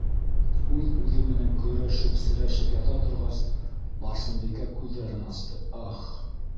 Үҙ-үҙе менән көрәшеп-серәшеп ята торғас, Барсынбикә күҙҙәрен асты: «Ах!»